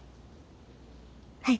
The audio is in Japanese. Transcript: はい。